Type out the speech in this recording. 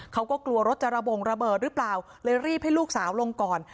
เขาก็กลัวรถจะระบงระเบิดหรือเปล่าเลยรีบให้ลูกสาวลงก่อน